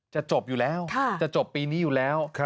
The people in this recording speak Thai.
จะจบอยู่แล้วจะจบปีนี้อยู่แล้ว